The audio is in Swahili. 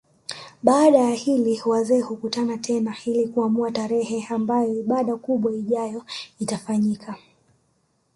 Baada ya hili wazee hukutana tena ili kuamua tarehe ambayo ibada kubwa ijayo itafanyika